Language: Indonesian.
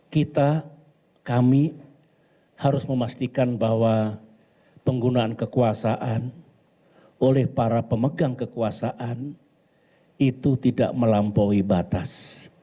kita kami harus memastikan bahwa penggunaan kekuasaan oleh para pemegang kekuasaan itu tidak melampaui batas